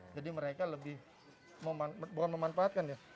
jadi mereka lebih bukan memanfaatkan ya